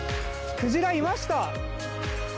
クジラ、いました！